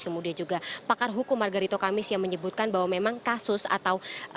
kemudian juga pakar hukum margarito kamis yang menyebutkan bahwa memang kasus atau